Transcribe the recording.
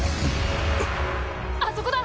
あそこだ。